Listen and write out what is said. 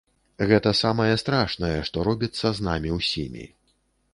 Гэта самае страшнае, што робіцца з намі ўсімі.